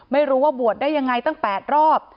ไม่รู้ว่าบวชได้ยังไงตั้ง๘รอบ